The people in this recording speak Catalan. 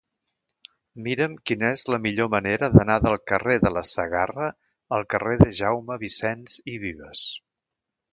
Mira'm quina és la millor manera d'anar del carrer de la Segarra al carrer de Jaume Vicens i Vives.